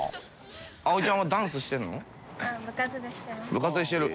部活でしてる？